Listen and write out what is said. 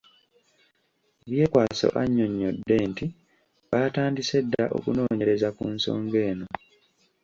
Byekwaso annyonnyodde nti baatandise dda okunoonyereza ku nsonga eno .